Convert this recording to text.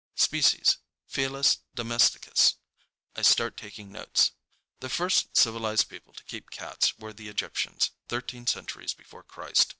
Species, Felis domesticus. I start taking notes: "'The first civilized people to keep cats were the Egyptians, thirteen centuries before Christ....